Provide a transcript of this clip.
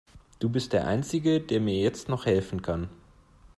Du bist der einzige, der mir jetzt noch helfen kann.